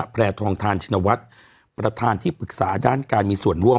แพร่ทองทานชินวัฒน์ประธานที่ปรึกษาด้านการมีส่วนร่วม